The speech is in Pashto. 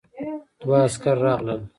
دوه عسکر راغلل.